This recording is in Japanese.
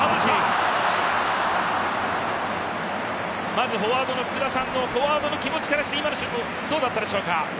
まずフォワードの福田さんから、フォワードの気持ちとして今のはどうでしたでしょうか？